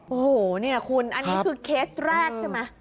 โอ้โหเนี่ยคุณอันนี้คือเคสแรกใช่ไหม